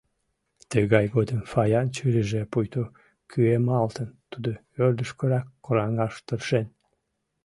Тыгай годым Фаян чурийже пуйто кӱэмалтын, тудо ӧрдыжкырак кораҥаш тыршен.